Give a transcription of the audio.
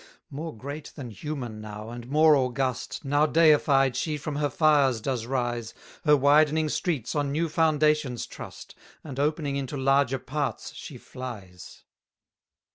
295 More great than human now, and more august, Now deified she from her fires does rise: Her widening streets on new foundations trust, And opening into larger parts she flies.